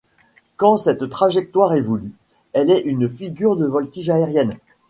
Quand cette trajectoire est voulue, elle est une figure de voltige aérienne.